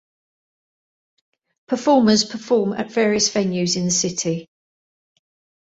Performers perform at various venues in the city.